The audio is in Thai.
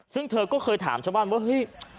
ซึ่งเธอก็เคยถามชาวบ้านว่าเฮ้ย